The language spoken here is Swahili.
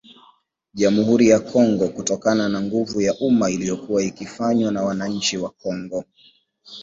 jamhuri ya Kongo Kutokana na nguvu ya umma iliyokuwa ikifanywa na wananchi wa Kongo